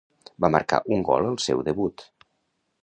Va marcar un gol al seu debut.